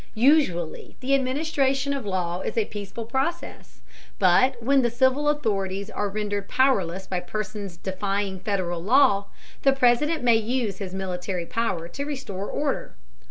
Usually the administration of law is a peaceful process, but when the civil authorities are rendered powerless by persons defying Federal law, the President may use his military power to restore order.